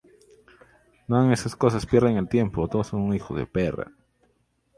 Tanto la puerta-valla como la caseta responden ambientalmente al diseño del edificio principal.